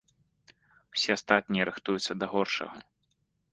Усе астатнія рыхтуюцца да горшага.